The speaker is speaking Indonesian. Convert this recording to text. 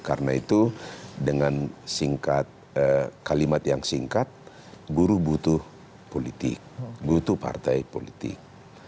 karena itu dengan singkat kalimat yang singkat buruh butuh politik butuh partai politik